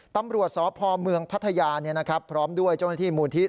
ตำรวจสพเมืองพัทยาพร้อมด้วยเจ้าหน้าที่มูลที่